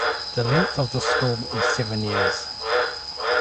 The length of the school is seven years.